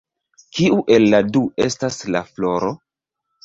Kiu el la du estas la floro?